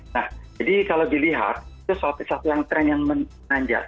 nah jadi kalau dilihat itu satu yang tren yang menanjak